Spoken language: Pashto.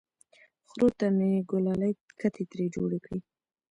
خرو ته مې ګلالۍ کتې ترې جوړې کړې!